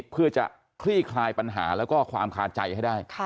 เพื่อจะคลี่คลายปัญหาแล้วก็ความคาใจให้ได้